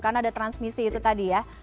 karena ada transmisi itu tadi ya